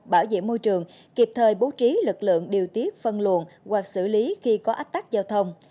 bảo vệ môi trường kịp thời bố trí lực lượng điều tiết phân luồn hoặc xử lý khi có ách tắc giao thông